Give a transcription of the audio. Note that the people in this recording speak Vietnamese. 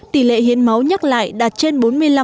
tỷ lệ hiến máu nhắc lại đạt trên bốn mươi năm